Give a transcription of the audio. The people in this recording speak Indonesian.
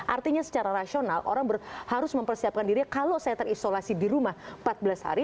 artinya secara rasional orang harus mempersiapkan dirinya kalau saya terisolasi di rumah empat belas hari